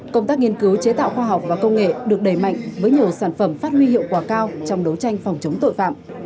công tác nghiên cứu chế tạo khoa học và công nghệ được đẩy mạnh với nhiều sản phẩm phát huy hiệu quả cao trong đấu tranh phòng chống tội phạm